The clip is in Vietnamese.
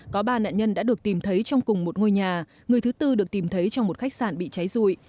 có ba nạn nhân đã được tìm thấy trong cùng một ngôi nhà người thứ tư được tìm thấy trong một khách sạn bị cháy rụi